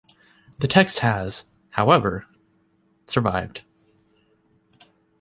The text has, however, survived.